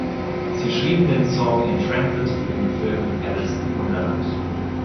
Sie schrieben den Song "In Transit" für den Film "Alice im Wunderland".